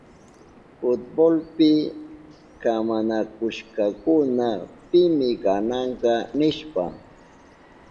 Fultbolpi kamanakushkakuna pimi gananka nishpa.